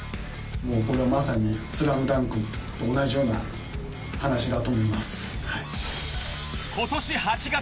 もうこれはまさに『ＳＬＡＭＤＵＮＫ』と同じような話だと思いますはい。